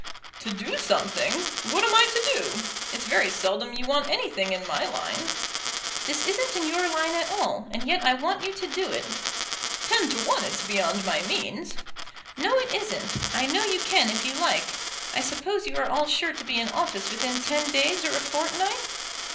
"To do something! What am I to do? It's very seldom you want anything in my line." "This isn't in your line at all, and yet I want you to do it." "Ten to one it's beyond my means." "No, it isn't. I know you can if you like. I suppose you are all sure to be in office within ten days or a fortnight?"